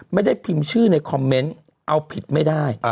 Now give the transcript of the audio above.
ไม่ได้พิมพ์ชื่อในคอมเมนต์เอาผิดไม่ได้